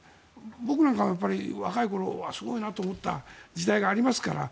僕なんかも若い頃すごいなと思った時代がありますから。